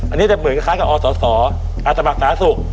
อันนี้จะเหมือนคล้ายกับอสสอาสาสมัครสาสุ